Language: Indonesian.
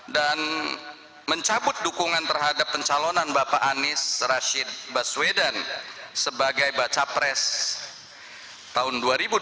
dan mencabut dukungan terhadap pencalonan bapak anies rashid baswedan sebagai baca pres tahun dua ribu dua puluh empat